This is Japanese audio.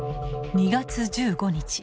２月１５日